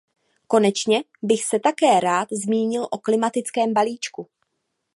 Konečně bych se také rád zmínil o klimatickém balíčku.